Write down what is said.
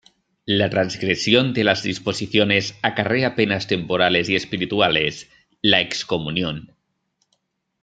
La transgresión de las disposiciones acarrea penas temporales y espirituales: la excomunión.